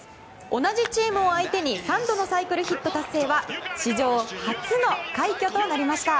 同じチームを相手に３度のサイクルヒット達成は史上初の快挙となりました。